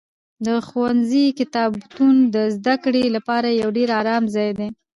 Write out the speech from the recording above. د ښوونځي کتابتون د زده کړې لپاره یو ډېر ارام ځای دی.